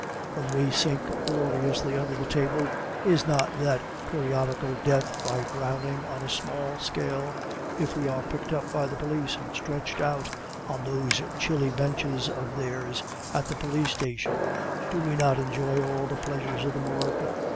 When we sink gloriously under the table, is not that a periodical death by drowning on a small scale? If we are picked up by the police and stretched out on those chilly benches of theirs at the police station, do we not enjoy all the pleasures of the Morgue?